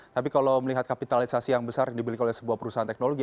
tapi kalau melihat kapitalisasi yang besar yang dibelikan oleh sebuah perusahaan teknologi